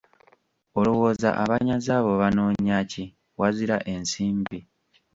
Olowooza abanyazi abo banoonya ki wazira ensimbi?